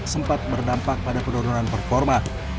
sempat berdampak pada penurunan performa